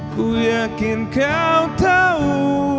aku yakin kau tahu